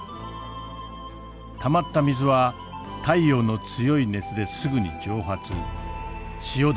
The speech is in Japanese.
たまった水は太陽の強い熱ですぐに蒸発塩だけが残ります。